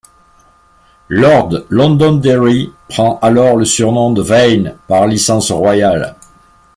Lord Londonderry prend alors le surnom de Vane, par licence royale.